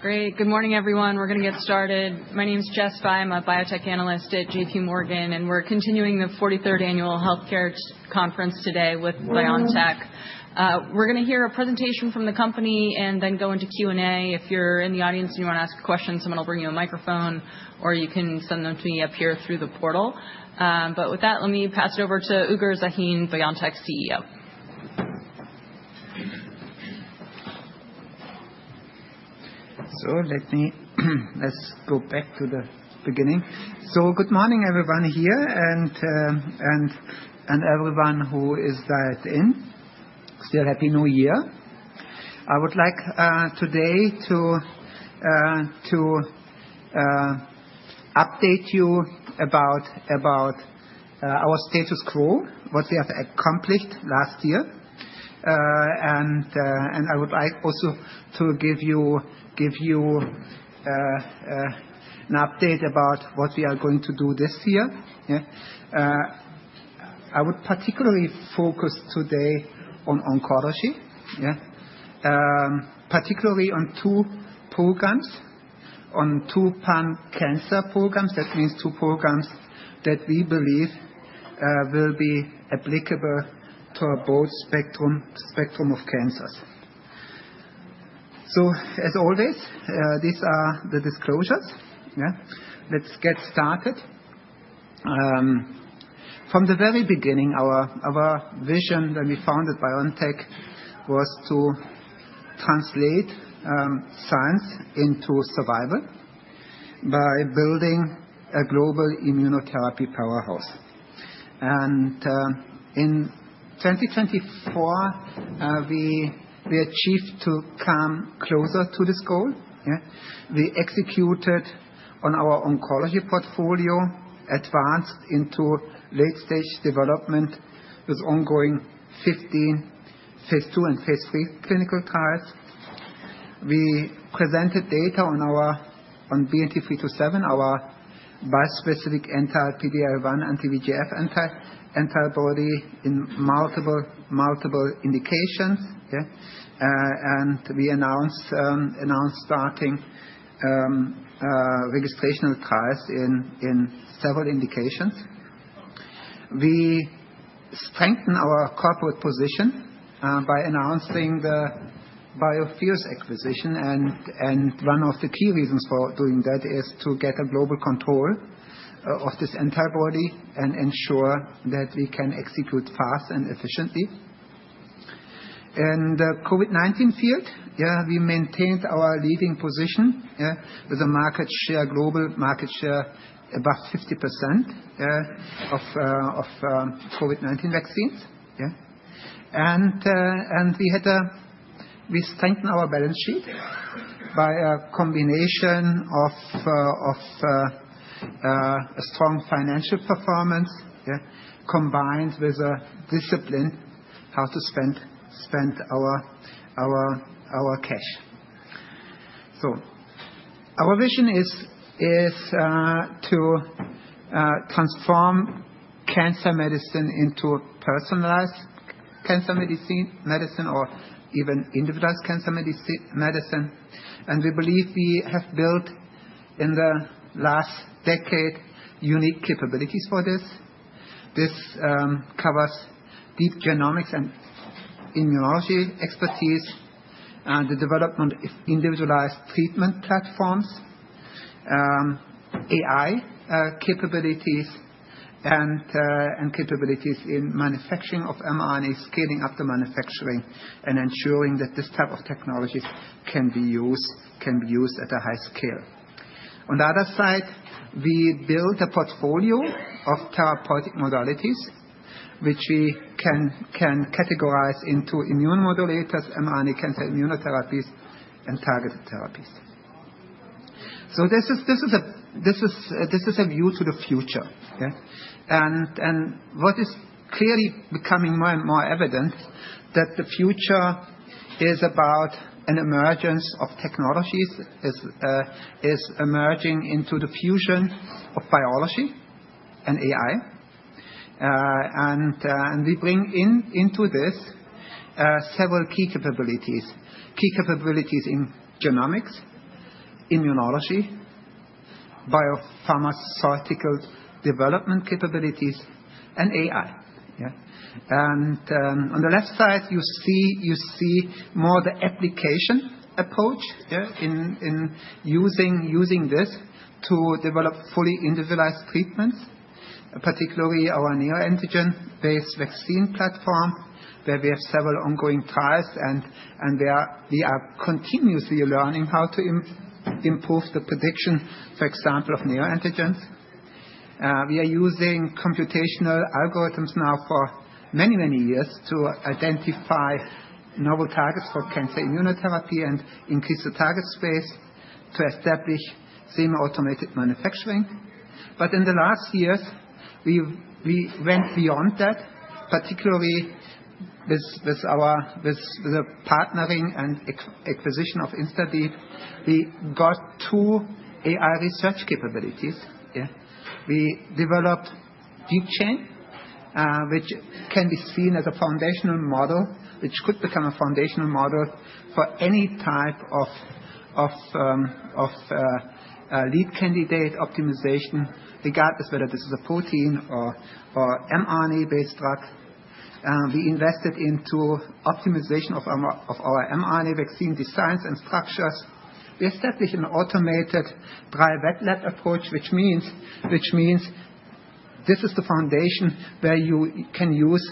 Great. Good morning, everyone. We're going to get started. My name is Jess Fye. I'm a biotech analyst at J.P. Morgan, and we're continuing the 43rd Annual Healthcare Conference today with BioNTech. We're going to hear a presentation from the company and then go into Q&A. If you're in the audience and you want to ask a question, someone will bring you a microphone, or you can send them to me up here through the portal. But with that, let me pass it over to Ugur Sahin, BioNTech CEO. So let me just go back to the beginning. So good morning, everyone here, and everyone who is dialed in. Still, happy New Year. I would like today to update you about our status quo, what we have accomplished last year. And I would like also to give you an update about what we are going to do this year. I would particularly focus today on oncology, particularly on two programs, on two pan-cancer programs. That means two programs that we believe will be applicable to both spectrum of cancers. So as always, these are the disclosures. Let's get started. From the very beginning, our vision when we founded BioNTech was to translate science into survival by building a global immunotherapy powerhouse. And in 2024, we achieved to come closer to this goal. We executed on our oncology portfolio, advanced into late-stage development with ongoing phase two and phase three clinical trials. We presented data on BNT327, our bispecific anti-PD-L1 anti-VEGF antibody in multiple indications. We announced starting registration trials in several indications. We strengthened our corporate position by announcing the Biotheus acquisition. One of the key reasons for doing that is to get a global control of this antibody and ensure that we can execute fast and efficiently. In the COVID-19 field, we maintained our leading position with a market share, global market share above 50% of COVID-19 vaccines. We strengthened our balance sheet by a combination of strong financial performance combined with discipline how to spend our cash. Our vision is to transform cancer medicine into personalized cancer medicine or even individualized cancer medicine. We believe we have built in the last decade unique capabilities for this. This covers deep genomics and immunology expertise, the development of individualized treatment platforms, AI capabilities, and capabilities in manufacturing of mRNA, scaling up the manufacturing, and ensuring that this type of technologies can be used at a high scale. On the other side, we built a portfolio of therapeutic modalities, which we can categorize into immune modulators, mRNA cancer immunotherapies, and targeted therapies. This is a view to the future. What is clearly becoming more and more evident is that the future is about an emergence of technologies emerging into the fusion of biology and AI. We bring into this several key capabilities, key capabilities in genomics, immunology, biopharmaceutical development capabilities, and AI. On the left side, you see more the application approach in using this to develop fully individualized treatments, particularly our neoantigen-based vaccine platform, where we have several ongoing trials, and we are continuously learning how to improve the prediction, for example, of neoantigens. We are using computational algorithms now for many, many years to identify novel targets for cancer immunotherapy and increase the target space to establish semi-automated manufacturing. In the last years, we went beyond that, particularly with the partnering and acquisition of InstaDeep. We got two AI research capabilities. We developed DeepChain, which can be seen as a foundational model, which could become a foundational model for any type of lead candidate optimization, regardless whether this is a protein or mRNA-based drug. We invested into optimization of our mRNA vaccine designs and structures. We established an automated dry wet lab approach, which means this is the foundation where you can use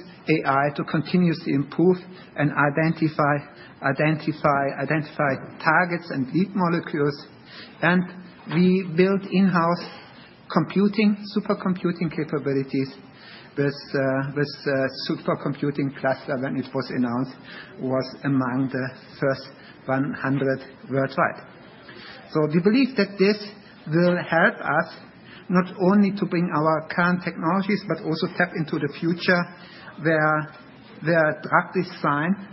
AI to continuously improve and identify targets and lead molecules. And we built in-house computing, supercomputing capabilities with supercomputing cluster when it was announced was among the first 100 worldwide. So we believe that this will help us not only to bring our current technologies, but also tap into the future where drug design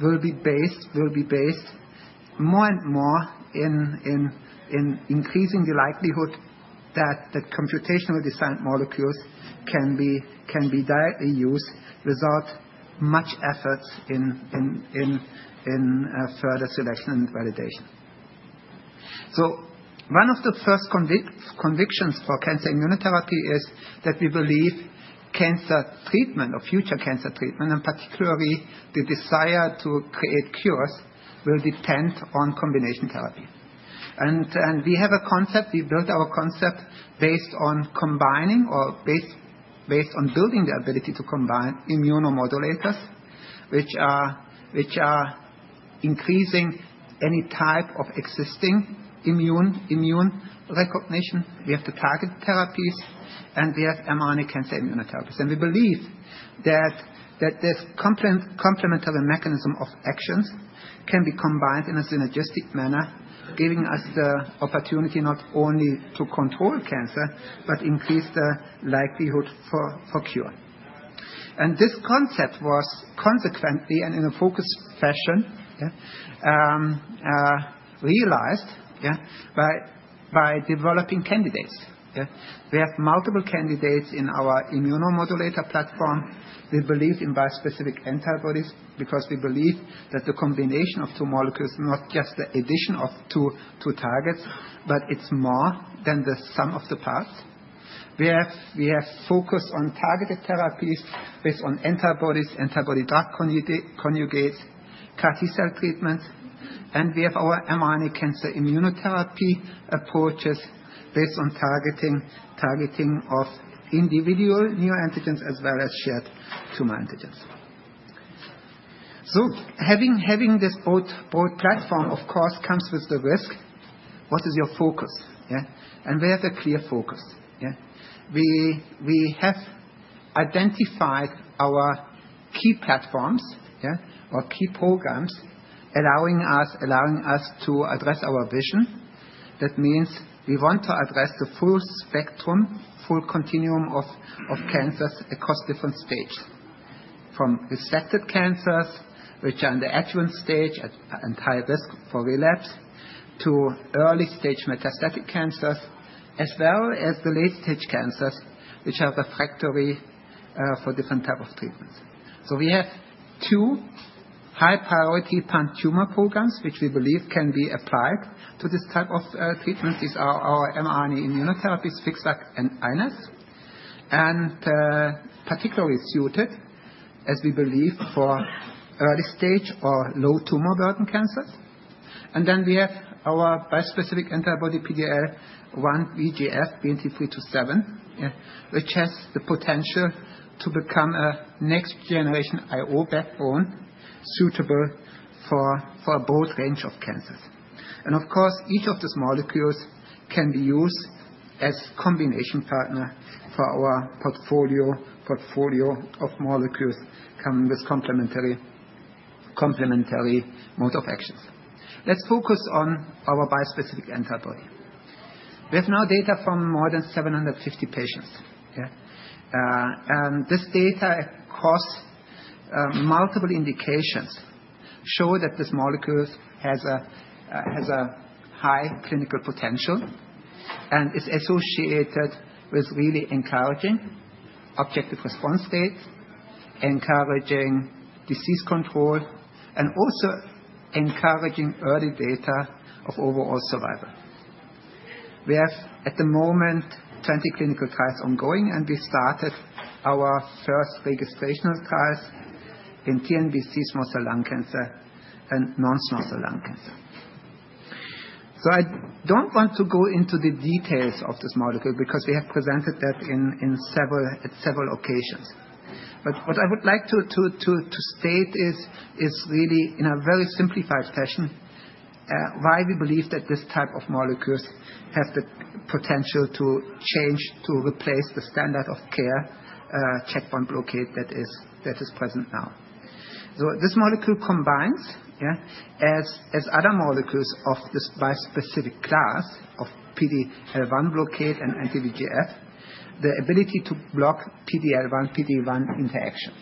will be based more and more in increasing the likelihood that computational design molecules can be directly used without much effort in further selection and validation. So one of the first convictions for cancer immunotherapy is that we believe cancer treatment or future cancer treatment, and particularly the desire to create cures, will depend on combination therapy. And we have a concept. We built our concept based on combining or based on building the ability to combine immunomodulators, which are increasing any type of existing immune recognition. We have the targeted therapies, and we have mRNA cancer immunotherapies. And we believe that this complementary mechanism of actions can be combined in a synergistic manner, giving us the opportunity not only to control cancer, but increase the likelihood for cure. And this concept was consequently and in a focused fashion realized by developing candidates. We have multiple candidates in our immunomodulator platform. We believe in bispecific antibodies because we believe that the combination of two molecules is not just the addition of two targets, but it's more than the sum of the parts. We have focused on targeted therapies based on antibodies, antibody-drug conjugates, CAR T-cell treatments. We have our mRNA cancer immunotherapy approaches based on targeting of individual neoantigens as well as shared tumor antigens. Having this broad platform, of course, comes with the risk. What is your focus? We have a clear focus. We have identified our key platforms or key programs allowing us to address our vision. That means we want to address the full spectrum, full continuum of cancers across different stages, from resected cancers, which are in the adjuvant stage and high risk for relapse, to early-stage metastatic cancers, as well as the late-stage cancers, which are refractory for different types of treatments. We have two high-priority pan-tumor programs, which we believe can be applied to this type of treatment. These are our mRNA immunotherapies, FixVac and iNeST, and particularly suited, as we believe, for early-stage or low-tumor burden cancers. And then we have our bispecific antibody PD-L1 VEGF, BNT327, which has the potential to become a next-generation IO backbone suitable for a broad range of cancers. And of course, each of these molecules can be used as a combination partner for our portfolio of molecules coming with complementary mode of actions. Let's focus on our bispecific antibody. We have now data from more than 750 patients. And this data, of course, multiple indications show that this molecule has a high clinical potential and is associated with really encouraging objective response states, encouraging disease control, and also encouraging early data of overall survival. We have, at the moment, 20 clinical trials ongoing, and we started our first registrational trials in TNBC, small cell lung cancer, and non-small cell lung cancer. So I don't want to go into the details of this molecule because we have presented that at several occasions. But what I would like to state is really in a very simplified fashion why we believe that this type of molecules has the potential to change, to replace the standard of care checkpoint blockade that is present now. So this molecule combines, as other molecules of this bispecific class of PD-L1 blockade and anti-VEGF, the ability to block PD-L1, PD-1 interaction.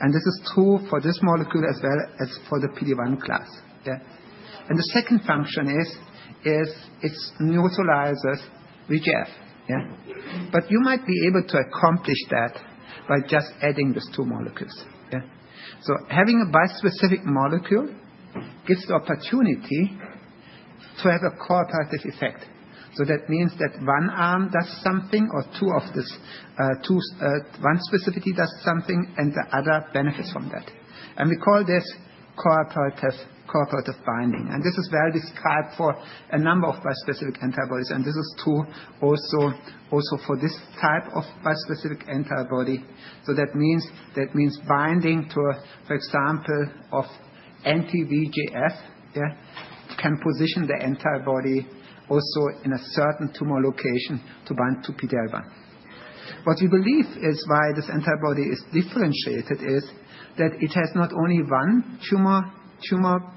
And this is true for this molecule as well as for the PD-1 class. And the second function is it neutralizes VEGF. But you might be able to accomplish that by just adding these two molecules. So having a bispecific molecule gives the opportunity to have a cooperative effect. So that means that one arm does something or one specificity does something, and the other benefits from that. And we call this cooperative binding. And this is well described for a number of bispecific antibodies. This is true also for this type of bispecific antibody. That means binding to, for example, anti-VEGF can position the antibody also in a certain tumor location to bind to PD-L1. What we believe is why this antibody is differentiated is that it has not only one tumor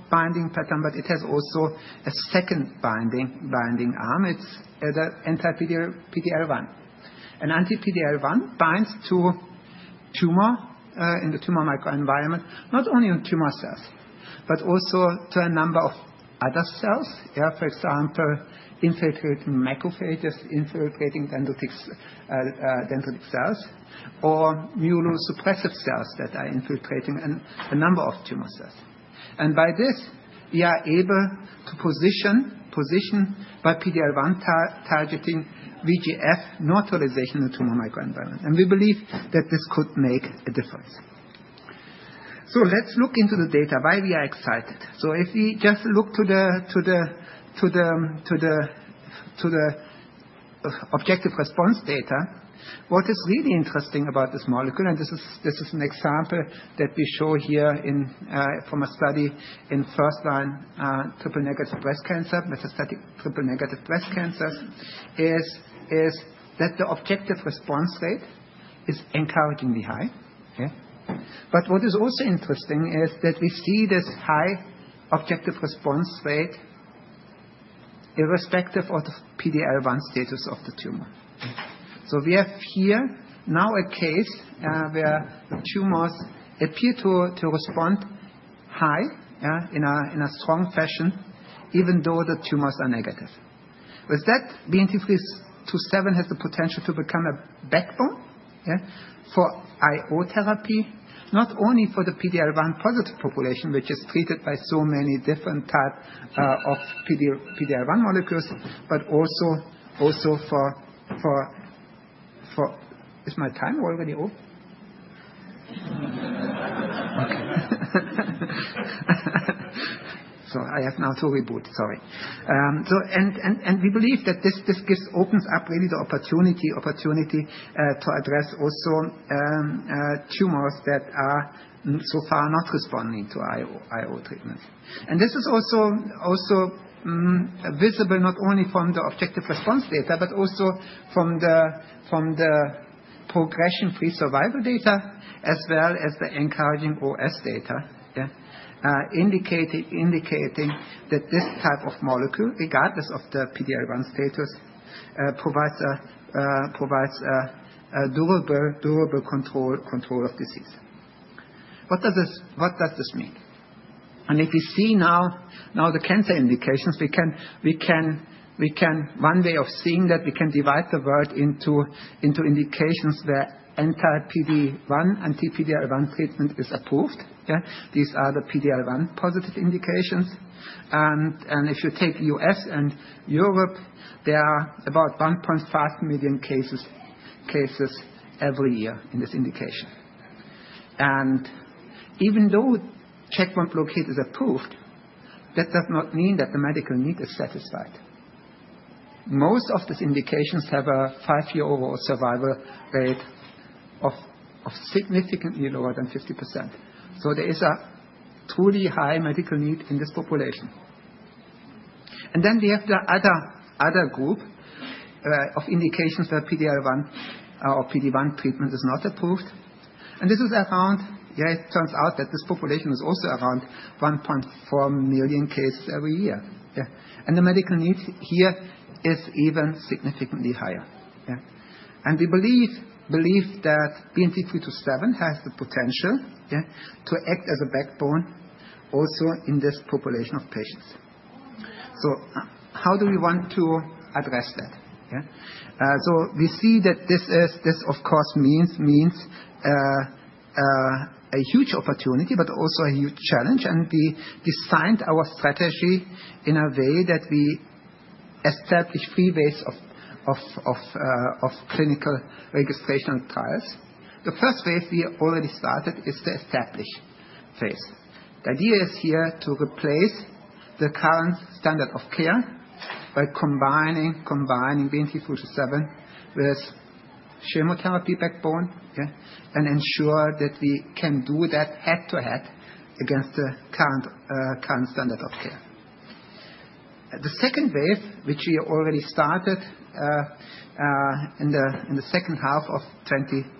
binding pattern, but it has also a second binding arm. It's the anti-PD-L1. Anti-PD-L1 binds to tumor in the tumor microenvironment, not only in tumor cells, but also to a number of other cells, for example, infiltrating macrophages, infiltrating dendritic cells, or myeloid suppressive cells that are infiltrating a number of tumor cells. By this, we are able to position by PD-L1 targeting VEGF neutralization in the tumor microenvironment. We believe that this could make a difference. Let's look into the data why we are excited. So if we just look to the objective response data, what is really interesting about this molecule, and this is an example that we show here from a study in first-line triple-negative breast cancer, metastatic triple-negative breast cancers, is that the objective response rate is encouragingly high. But what is also interesting is that we see this high objective response rate irrespective of the PD-L1 status of the tumor. So we have here now a case where the tumors appear to respond high in a strong fashion, even though the tumors are negative. With that, BNT327 has the potential to become a backbone for IO therapy, not only for the PD-L1 positive population, which is treated by so many different types of PD-L1 molecules, but also for. Is my time already up? Okay. So I have now to reboot. Sorry. We believe that this opens up really the opportunity to address also tumors that are so far not responding to IO treatment. This is also visible not only from the objective response data, but also from the progression-free survival data, as well as the encouraging OS data indicating that this type of molecule, regardless of the PD-L1 status, provides durable control of disease. What does this mean? If we see now the cancer indications, one way of seeing that we can divide the world into indications where anti-PD-1, anti-PD-L1 treatment is approved. These are the PD-L1 positive indications. If you take U.S. and Europe, there are about 1.5 million cases every year in this indication. Even though checkpoint blockade is approved, that does not mean that the medical need is satisfied. Most of these indications have a five-year overall survival rate of significantly lower than 50%. There is a truly high medical need in this population. And then we have the other group of indications where PD-L1 or PD-1 treatment is not approved. And this is around it turns out that this population is also around 1.4 million cases every year. And the medical need here is even significantly higher. And we believe that BNT327 has the potential to act as a backbone also in this population of patients. So how do we want to address that? So we see that this, of course, means a huge opportunity, but also a huge challenge. And we designed our strategy in a way that we establish three ways of clinical registration trials. The first wave we already started is the established phase. The idea is here to replace the current standard of care by combining BNT327 with chemotherapy backbone and ensure that we can do that head-to-head against the current standard of care. The second wave, which we already started in the second half of 2024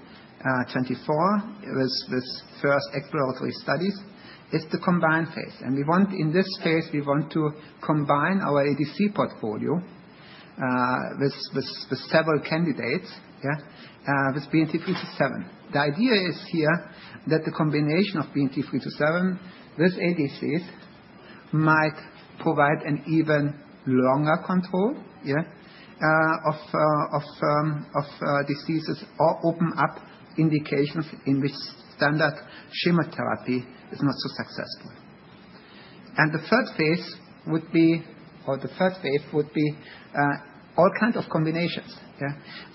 with first exploratory studies, is the combined phase. And in this phase, we want to combine our ADC portfolio with several candidates with BNT327. The idea is here that the combination of BNT327 with ADCs might provide an even longer control of diseases or open up indications in which standard chemotherapy is not so successful. And the third phase would be, or the third wave would be all kinds of combinations.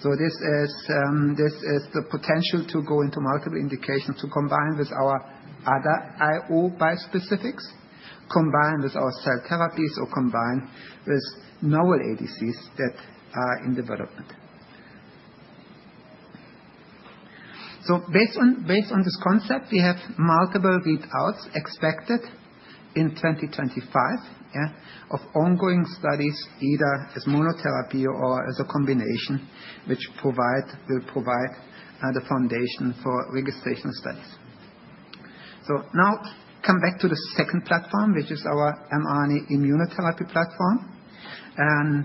So this is the potential to go into multiple indications to combine with our other IO bispecifics, combine with our cell therapies, or combine with novel ADCs that are in development. So based on this concept, we have multiple readouts expected in 2025 of ongoing studies, either as monotherapy or as a combination, which will provide the foundation for registration studies. So now come back to the second platform, which is our mRNA immunotherapy platform. And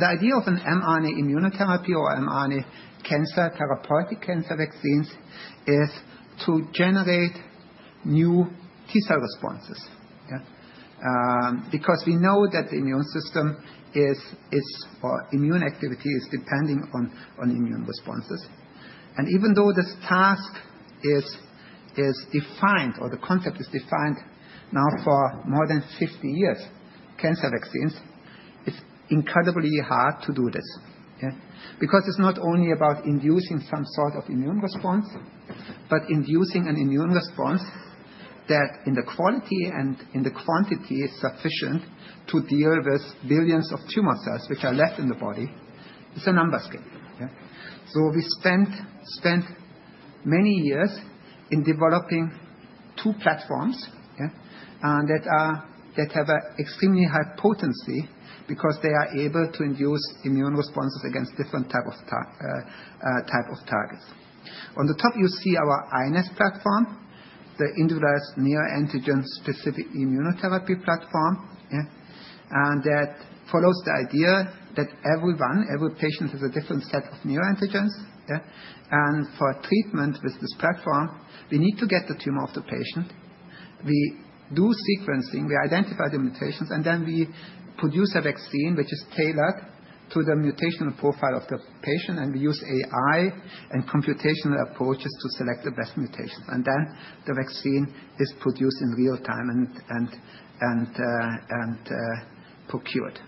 the idea of an mRNA immunotherapy or mRNA cancer therapeutic cancer vaccines is to generate new T-cell responses because we know that the immune system or immune activity is depending on immune responses. And even though this task is defined, or the concept is defined now for more than 50 years, cancer vaccines, it's incredibly hard to do this because it's not only about inducing some sort of immune response, but inducing an immune response that, in the quality and in the quantity, is sufficient to deal with billions of tumor cells which are left in the body. It's a numbers game. We spent many years developing two platforms that have an extremely high potency because they are able to induce immune responses against different types of targets. On the top, you see our iNeST platform, the individualized neoantigen-specific immunotherapy platform, and that follows the idea that everyone, every patient, has a different set of neoantigens. For treatment with this platform, we need to get the tumor of the patient. We do sequencing. We identify the mutations, and then we produce a vaccine which is tailored to the mutational profile of the patient. We use AI and computational approaches to select the best mutations. Then the vaccine is produced in real time and procured.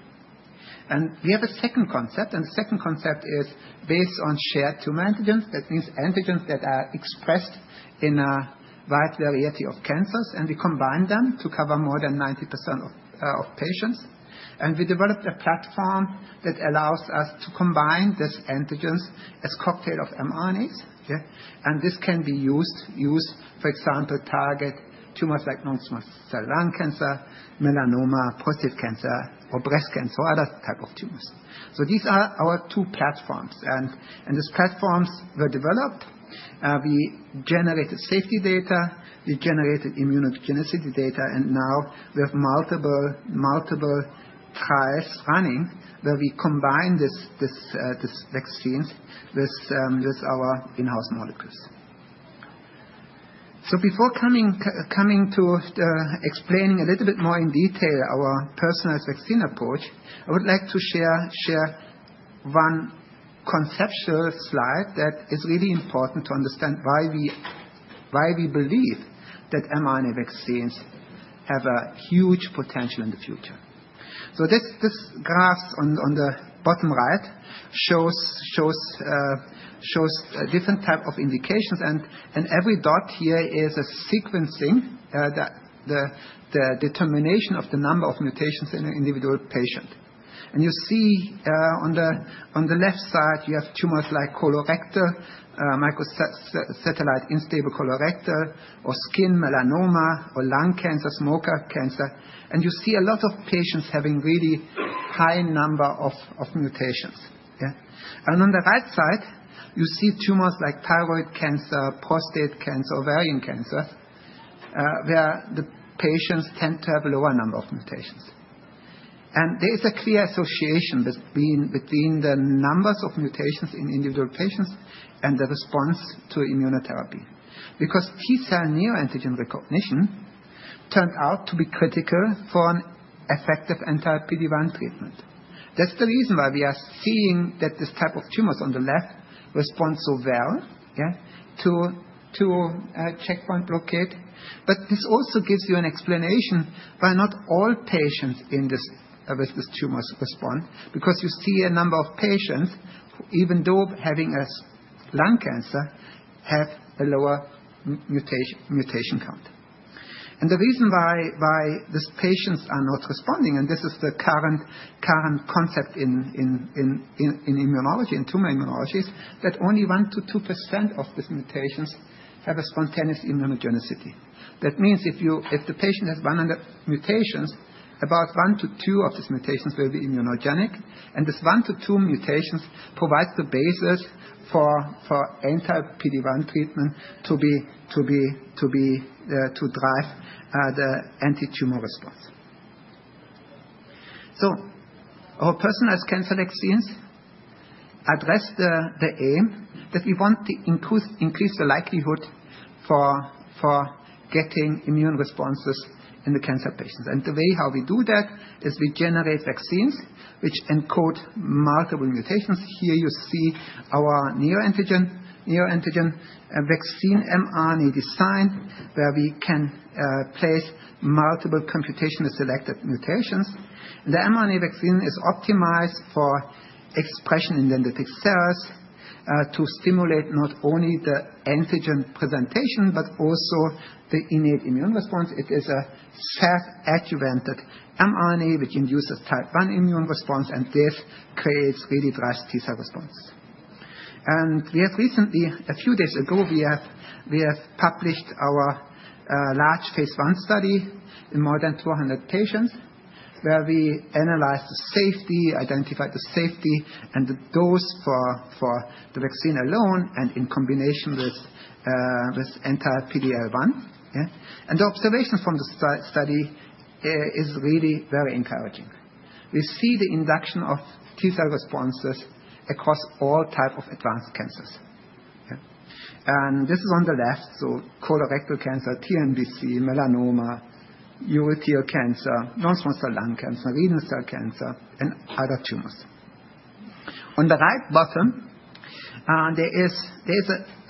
We have a second concept. The second concept is based on shared tumor antigens. That means antigens that are expressed in a wide variety of cancers. And we combine them to cover more than 90% of patients. And we developed a platform that allows us to combine these antigens as a cocktail of mRNAs. And this can be used, for example, to target tumors like non-small cell lung cancer, melanoma, prostate cancer, or breast cancer, or other types of tumors. So these are our two platforms. And these platforms were developed. We generated safety data. We generated immunogenicity data. And now we have multiple trials running where we combine these vaccines with our in-house molecules. So before coming to explaining a little bit more in detail our personalized vaccine approach, I would like to share one conceptual slide that is really important to understand why we believe that mRNA vaccines have a huge potential in the future. So this graph on the bottom right shows different types of indications. Every dot here is a sequencing, the determination of the number of mutations in an individual patient. You see on the left side, you have tumors like colorectal, microsatellite unstable colorectal, or skin melanoma, or lung cancer, smoker cancer. You see a lot of patients having really high number of mutations. On the right side, you see tumors like thyroid cancer, prostate cancer, ovarian cancer, where the patients tend to have a lower number of mutations. There is a clear association between the numbers of mutations in individual patients and the response to immunotherapy because T-cell neoantigen recognition turned out to be critical for an effective anti-PD-1 treatment. That's the reason why we are seeing that this type of tumors on the left respond so well to checkpoint blockade. But this also gives you an explanation why not all patients with these tumors respond because you see a number of patients, even though having lung cancer, have a lower mutation count. And the reason why these patients are not responding, and this is the current concept in tumor immunology, that only 1-2% of these mutations have a spontaneous immunogenicity. That means if the patient has 100 mutations, about 1-2 of these mutations will be immunogenic. And these 1-2 mutations provide the basis for anti-PD-1 treatment to drive the anti-tumor response. So our personalized cancer vaccines address the aim that we want to increase the likelihood for getting immune responses in the cancer patients. And the way how we do that is we generate vaccines which encode multiple mutations. Here you see our neoantigen vaccine mRNA design, where we can place multiple computationally selected mutations. The mRNA vaccine is optimized for expression in dendritic cells to stimulate not only the antigen presentation, but also the innate immune response. It is a SAS-adjuvanted mRNA which induces type 1 immune response, and this creates really drastic T-cell response, and a few days ago, we have published our large phase I study in more than 200 patients, where we analyzed the safety and identified the dose for the vaccine alone and in combination with anti-PD-1. The observation from the study is really very encouraging. We see the induction of T-cell responses across all types of advanced cancers, and this is on the left: colorectal cancer, TNBC, melanoma, urothelial cancer, non-small cell lung cancer, renal cell cancer, and other tumors. On the right bottom, there is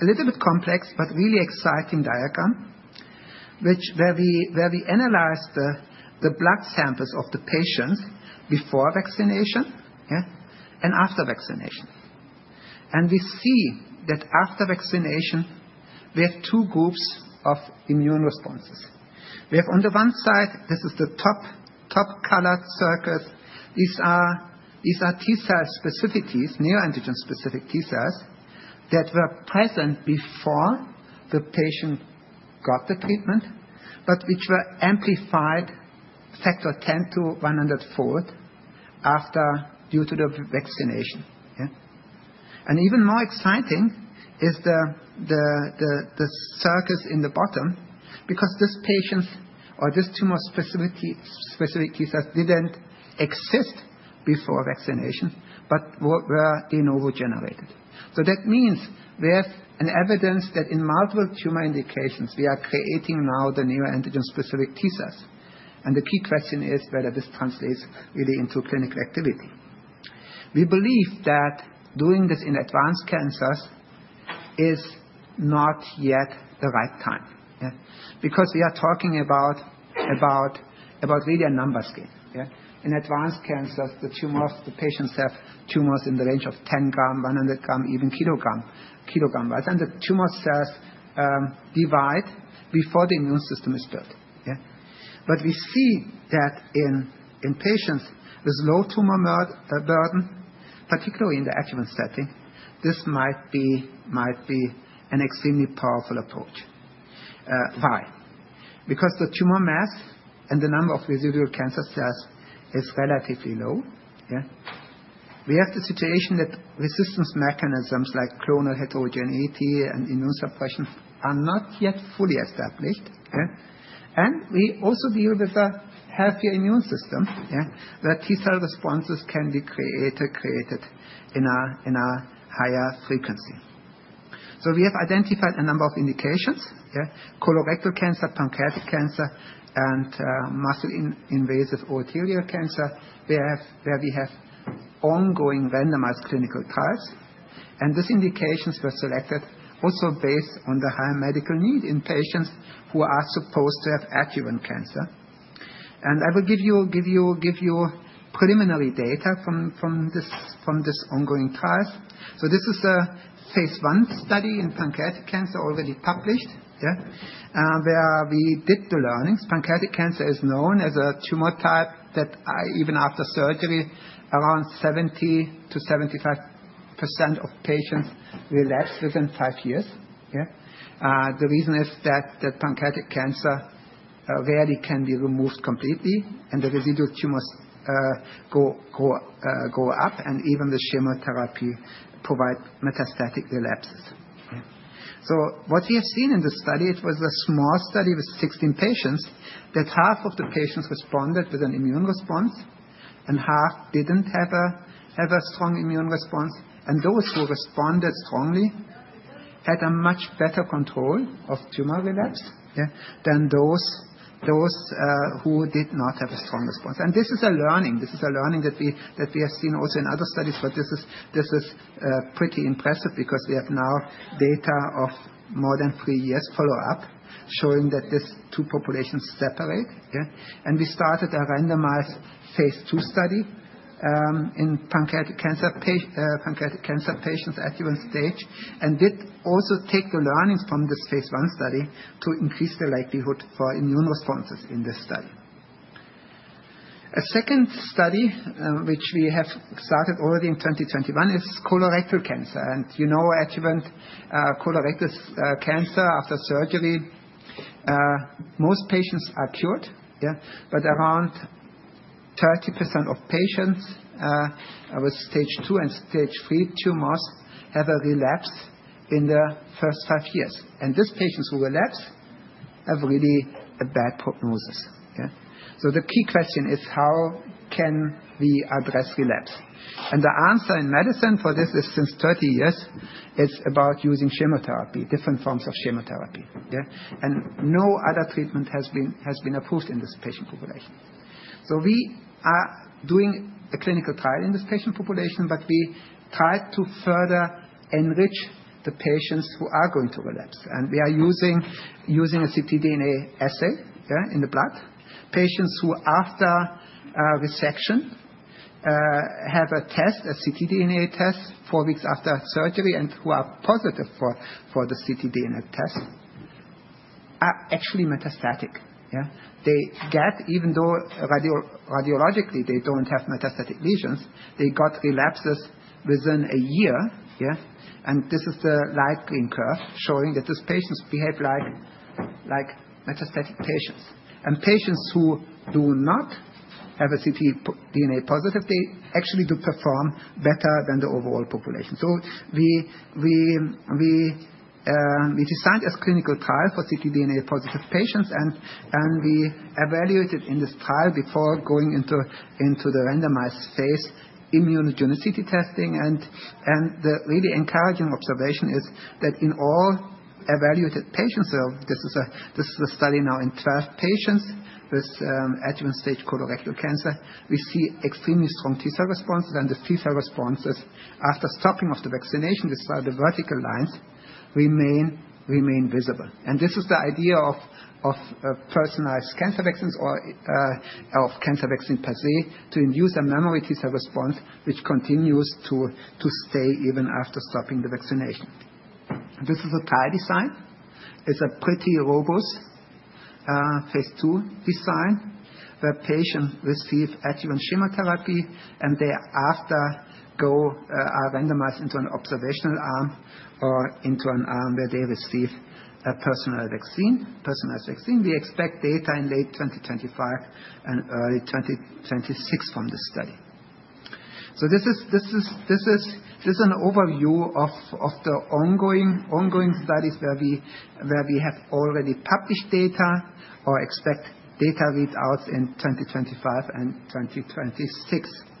a little bit complex but really exciting diagram where we analyze the blood samples of the patients before vaccination and after vaccination, and we see that after vaccination, we have two groups of immune responses. We have on the one side, this is the top colored circle. These are T-cell specificities, neoantigen-specific T-cells that were present before the patient got the treatment, but which were amplified factor 10-100-fold due to the vaccination, and even more exciting is the circles in the bottom because these patients or these tumor-specific T-cells didn't exist before vaccination, but were de novo generated, so that means we have evidence that in multiple tumor indications, we are creating now the neoantigen-specific T-cells, and the key question is whether this translates really into clinical activity. We believe that doing this in advanced cancers is not yet the right time because we are talking about really a numbers game. In advanced cancers, the patients have tumors in the range of 10 grams, 100 grams, even kilograms, and the tumor cells divide before the immune system is built, but we see that in patients with low tumor burden, particularly in the adjuvant setting, this might be an extremely powerful approach. Why? Because the tumor mass and the number of residual cancer cells is relatively low. We have the situation that resistance mechanisms like clonal heterogeneity and immune suppression are not yet fully established, and we also deal with a healthier immune system where T-cell responses can be created in a higher frequency, so we have identified a number of indications: colorectal cancer, pancreatic cancer, and muscle-invasive urothelial cancer, where we have ongoing randomized clinical trials. These indications were selected also based on the high medical need in patients who are supposed to have adjuvant cancer. I will give you preliminary data from these ongoing trials. This is a phase I study in pancreatic cancer already published, where we did the learnings. Pancreatic cancer is known as a tumor type that, even after surgery, around 70%-75% of patients relapse within five years. The reason is that pancreatic cancer rarely can be removed completely, and the residual tumors grow up. Even the chemotherapy provides metastatic relapses. What we have seen in this study, it was a small study with 16 patients that half of the patients responded with an immune response, and half didn't have a strong immune response. Those who responded strongly had a much better control of tumor relapse than those who did not have a strong response. This is a learning. This is a learning that we have seen also in other studies, but this is pretty impressive because we have now data of more than three years' follow-up showing that these two populations separate. We started a randomized phase II study in pancreatic cancer patients' adjuvant stage and did also take the learnings from this phase I study to increase the likelihood for immune responses in this study. A second study, which we have started already in 2021, is colorectal cancer. Adjuvant colorectal cancer after surgery, most patients are cured. Around 30% of patients with stage II and stage III tumors have a relapse in the first five years. These patients who relapse have really bad prognosis. So the key question is, how can we address relapse? And the answer in medicine for this is, since 30 years, it's about using chemotherapy, different forms of chemotherapy. And no other treatment has been approved in this patient population. So we are doing a clinical trial in this patient population, but we try to further enrich the patients who are going to relapse. And we are using a ctDNA assay in the blood. Patients who, after resection, have a test, a ctDNA test, four weeks after surgery, and who are positive for the ctDNA test are actually metastatic. Even though radiologically they don't have metastatic lesions, they got relapses within a year. And this is the light green curve showing that these patients behave like metastatic patients. And patients who do not have a ctDNA positive, they actually do perform better than the overall population. So we designed a clinical trial for ctDNA-positive patients, and we evaluated in this trial before going into the randomized phase, immunogenicity testing. And the really encouraging observation is that in all evaluated patients (this is a study now in 12 patients with adjuvant stage colorectal cancer), we see extremely strong T-cell responses. And the T-cell responses after stopping of the vaccination (these are the vertical lines) remain visible. And this is the idea of personalized cancer vaccines or of cancer vaccine per se to induce a memory T-cell response, which continues to stay even after stopping the vaccination. This is a trial design. It's a pretty robust phase II design where patients receive adjuvant chemotherapy, and thereafter are randomized into an observational arm or into an arm where they receive a personalized vaccine. We expect data in late 2025 and early 2026 from this study. So this is an overview of the ongoing studies where we have already published data or expect data readouts in 2025 and 2026.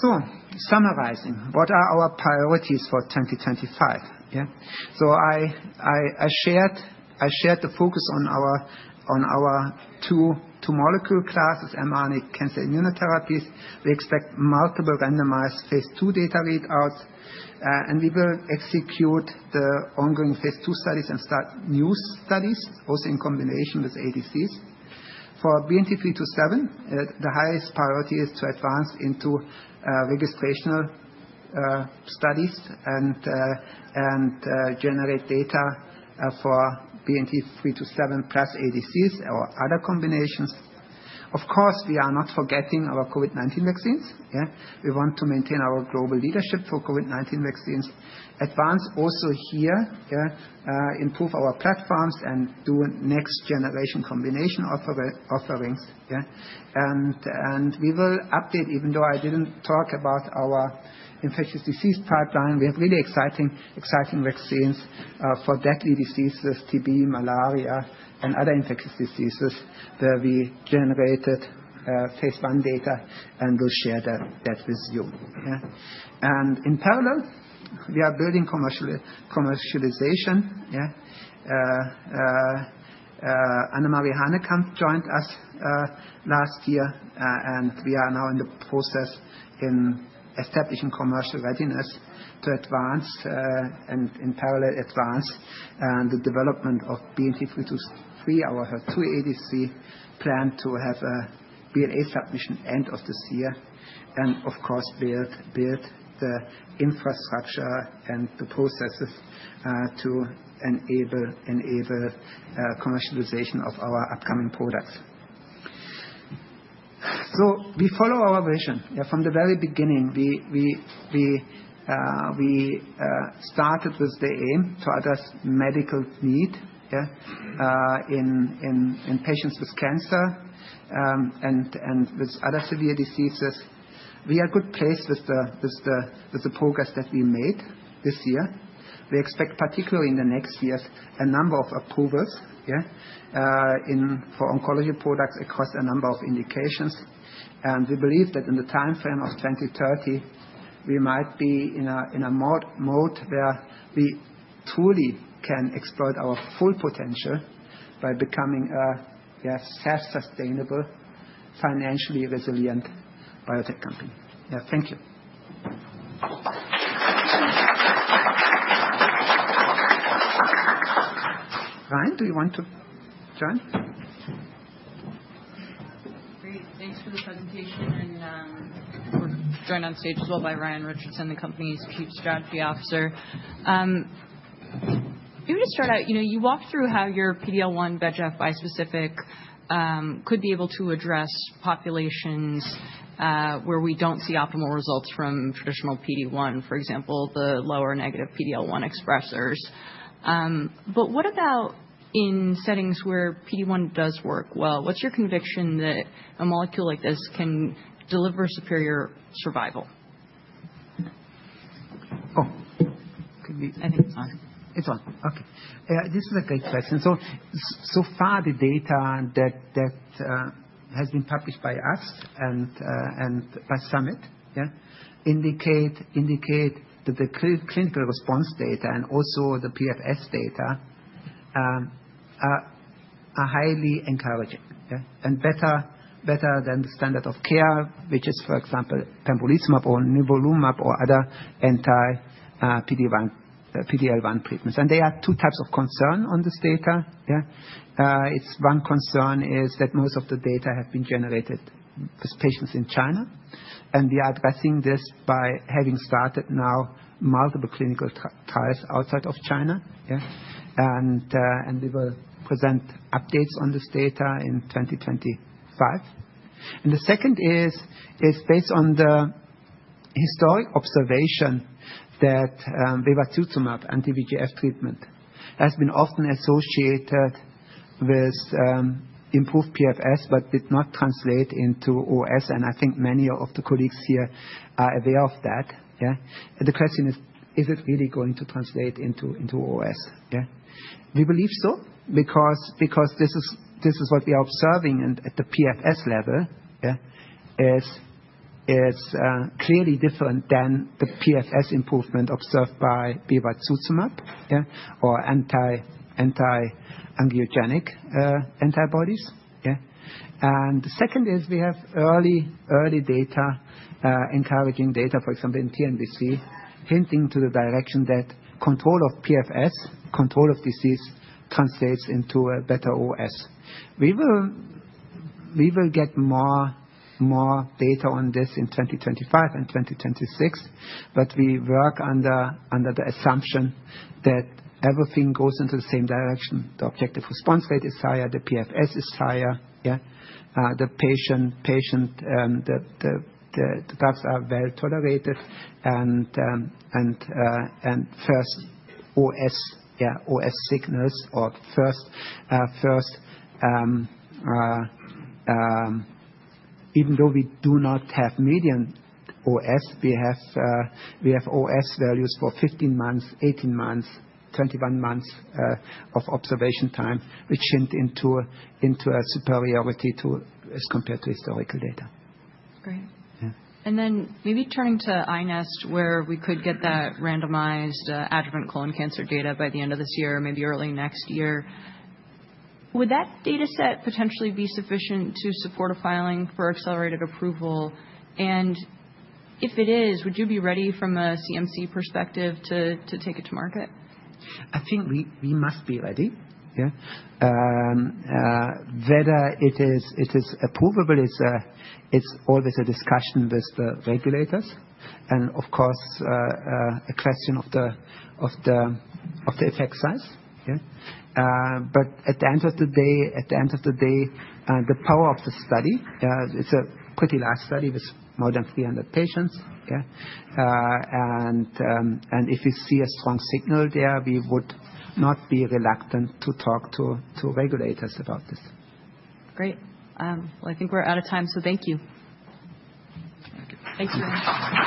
So summarizing, what are our priorities for 2025? So I shared the focus on our two molecule classes, mRNA cancer immunotherapies. We expect multiple randomized phase II data readouts. And we will execute the ongoing phase II studies and start new studies, also in combination with ADCs. For BNT327, the highest priority is to advance into registrational studies and generate data for BNT327 plus ADCs or other combinations. Of course, we are not forgetting our COVID-19 vaccines. We want to maintain our global leadership for COVID-19 vaccines, advance also here, improve our platforms, and do next-generation combination offerings. And we will update, even though I didn't talk about our infectious disease pipeline. We have really exciting vaccines for deadly diseases, TB, malaria, and other infectious diseases, where we generated phase I data and will share that with you. And in parallel, we are building commercialization. Annemarie Hanekamp joined us last year, and we are now in the process in establishing commercial readiness to advance and in parallel advance the development of BNT323, our HER2/ADC planned to have a BLA submission end of this year, and of course, build the infrastructure and the processes to enable commercialization of our upcoming products. So we follow our vision. From the very beginning, we started with the aim to address medical need in patients with cancer and with other severe diseases. We are well placed with the progress that we made this year. We expect, particularly in the next years, a number of approvals for oncology products across a number of indications. We believe that in the timeframe of 2030, we might be in a mode where we truly can exploit our full potential by becoming a self-sustainable, financially resilient biotech company. Thank you. Ryan, do you want to join? Great. Thanks for the presentation. And. Joining on stage as well is Ryan Richardson, the company's Chief Strategy Officer. Maybe to start out, you walked through how your PD-L1/VEGF bispecific could be able to address populations where we don't see optimal results from traditional PD-1, for example, the low or negative PD-L1 expressors. But what about in settings where PD-1 does work well? What's your conviction that a molecule like this can deliver superior survival? Oh. I think it's on. This is a great question. So far, the data that has been published by us and by Summit indicate that the clinical response data and also the PFS data are highly encouraging and better than the standard of care, which is, for example, pembrolizumab or nivolumab or other anti-PD-L1 treatments, and there are two types of concern on this data. One concern is that most of the data have been generated with patients in China, and we are addressing this by having started now multiple clinical trials outside of China, and we will present updates on this data in 2025, and the second is based on the historic observation that bevacizumab, anti-VEGF treatment, has been often associated with improved PFS, but did not translate into OS, and I think many of the colleagues here are aware of that. The question is, is it really going to translate into OS? We believe so because this is what we are observing at the PFS level is clearly different than the PFS improvement observed by bevacizumab or anti-angiogenic antibodies. And the second is we have early data, encouraging data, for example, in TNBC, hinting to the direction that control of PFS, control of disease, translates into a better OS. We will get more data on this in 2025 and 2026, but we work under the assumption that everything goes into the same direction. The objective response rate is higher, the PFS is higher, the drugs are well tolerated, and first OS signals or first, even though we do not have median OS, we have OS values for 15 months, 18 months, 21 months of observation time, which hint into a superiority as compared to historical data. Great. And then maybe turning to iNeST, where we could get that randomized adjuvant colon cancer data by the end of this year, maybe early next year. Would that dataset potentially be sufficient to support a filing for accelerated approval? And if it is, would you be ready from a CMC perspective to take it to market? I think we must be ready. Whether it is approvable, it's always a discussion with the regulators and, of course, a question of the effect size, but at the end of the day, the power of the study. It's a pretty large study with more than 300 patients, and if we see a strong signal there, we would not be reluctant to talk to regulators about this. Great. Well, I think we're out of time, so thank you. Thank you. Thank you.